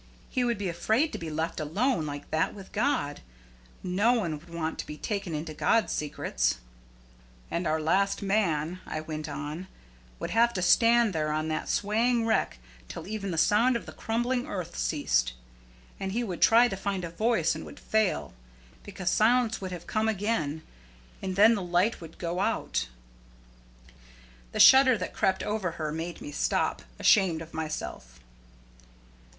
He would be afraid to be left alone like that with God. No one would want to be taken into God's secrets." "And our last man," I went on, "would have to stand there on that swaying wreck till even the sound of the crumbling earth ceased. And he would try to find a voice and would fail, because silence would have come again. And then the light would go out " The shudder that crept over her made me stop, ashamed of myself.